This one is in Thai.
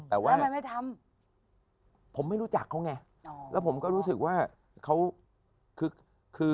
แต่ว่าทำไมไม่ทำผมไม่รู้จักเขาไงแล้วผมก็รู้สึกว่าเขาคือคือ